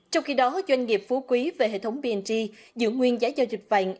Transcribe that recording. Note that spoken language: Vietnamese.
trong khi đó doanh nghiệp phú quý về hệ thống bng giữ nguyên giá giao dịch vàng